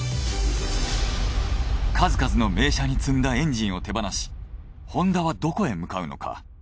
数々の名車に積んだエンジンを手放しホンダはどこへ向かうのか。